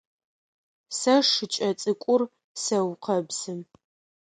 Сэ шыкӏэ цӏыкӏур сэукъэбзы.